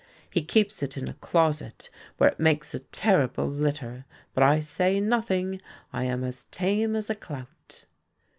"He keeps it in a closet, where it makes a terrible litter; but I say nothing; I am as tame as a clout."